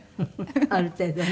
ある程度ね。